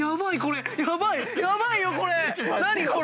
何これ⁉